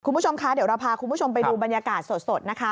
คุณผู้ชมคะเดี๋ยวเราพาคุณผู้ชมไปดูบรรยากาศสดนะคะ